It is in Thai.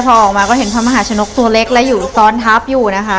พอออกมาก็เห็นพระมหาชนกตัวเล็กแล้วอยู่ตอนทัพอยู่นะคะ